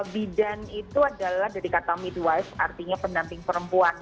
bidan itu adalah dari kata midwise artinya pendamping perempuan